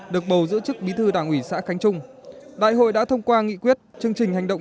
được bầu giữ chức bí thư đảng ủy xã khánh trung đại hội đã thông qua nghị quyết chương trình hành động